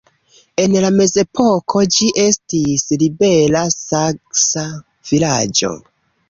En la mezepoko ĝi estis "libera saksa vilaĝo".